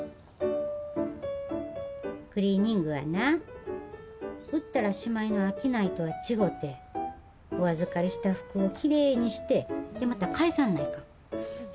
クリーニングはな売ったらしまいの商いとは違うてお預かりした服をきれいにしてでまた返さんないかん。